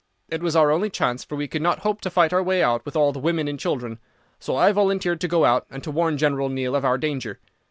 It was our only chance, for we could not hope to fight our way out with all the women and children, so I volunteered to go out and to warn General Neill of our danger.